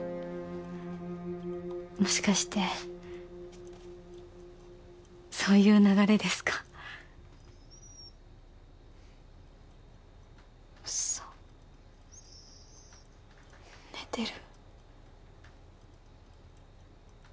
もしかしてそういう流れですかうっそ寝てる！？